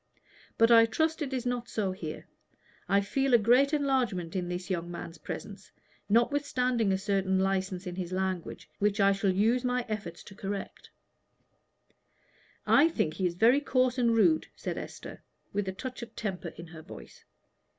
But I trust it is not so here. I feel a great enlargement in this young man's presence, notwithstanding a certain license in his language, which I shall use my efforts to correct." "I think he is very coarse and rude," said Esther, with a touch of temper in her voice.